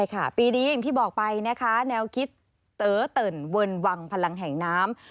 ครับปีนี้หญ้าคิดเต๋อเต่นเวินวั่งพลังแห่งน้ำ